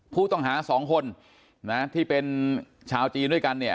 ผู้ต้องหา๒คนที่เป็นชาวจีนด้วยกัน